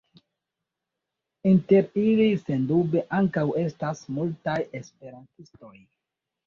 Inter ili sendube ankaŭ estas multaj esperantistoj.